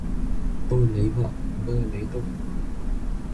Tôi lấy vợ, vơ lấy tội